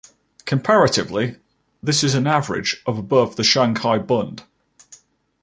Comparatively, this is an average of above the Shanghai Bund.